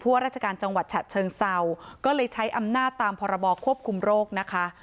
ว่าราชการจังหวัดฉะเชิงเศร้าก็เลยใช้อำนาจตามพรบควบคุมโรคนะคะ